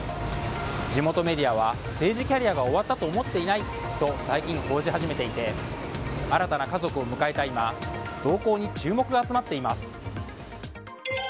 地元メディアは政治キャリアが終わったと思っていないと最近報じ始めていて新たな家族を迎えた今動向に注目が集まっています。